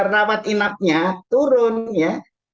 rawat inapnya turun ya